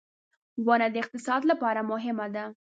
• ونه د اقتصاد لپاره مهمه ده.